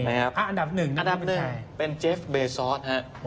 อันดับ๑เป็นเจฟเบซอส